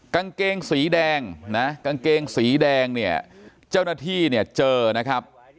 กางเกงสีแดงนะกางเกงสีแดงเนี่ยเจ้าหน้าที่เนี่ยเจอนะครับ